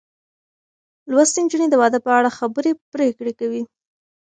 لوستې نجونې د واده په اړه خبرې پرېکړې کوي.